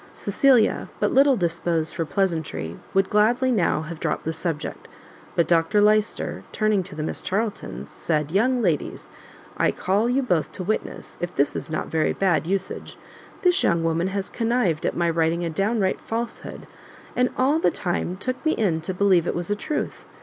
Cecilia, but little disposed for pleasantry, would gladly now have dropt the subject; but Dr Lyster, turning to the Miss Charltons, said, "Young ladies, I call you both to witness if this is not very bad usage: this young woman has connived at my writing a downright falsehood, and all the time took me in to believe it was a truth.